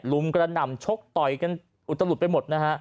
รุมกระดำชกต่อยอุตลุดไปหมดนะฮะ